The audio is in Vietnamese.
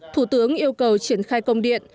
thủ tướng yêu cầu triển khai công điện